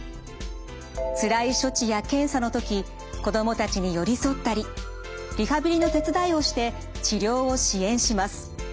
つらい処置や検査の時子供たちに寄り添ったりリハビリの手伝いをして治療を支援します。